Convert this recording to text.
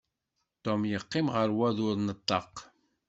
Tom yeqqim ɣef wadur n ṭṭaq.